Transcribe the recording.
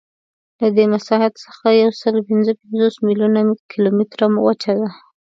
له دې مساحت څخه یوسلاوپینځهپنځوس میلیونه کیلومتره وچه ده.